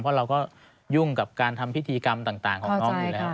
เพราะเราก็ยุ่งกับการทำพิธีกรรมต่างของน้องอยู่แล้ว